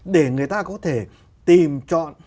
để người ta có thể tìm chọn